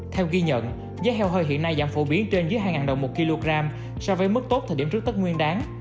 theo ghi nhận giá heo hơi hiện nay giảm phổ biến trên dưới hai đồng một kg so với mức tốt thời điểm trước tất nguyên đáng